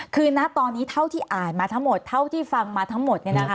คือน่ะตอนนี้เท่าที่อ่านมาทั้งหมดเท่าที่ฟังมาทั้งหมด